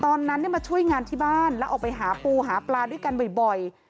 ตอนนั้นมาช่วยงานที่บ้านแล้วออกไปหาปูหาปลาด้วยกันบ่อย